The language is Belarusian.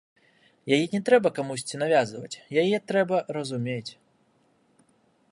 Яе не трэба камусьці навязваць, яе трэба разумець.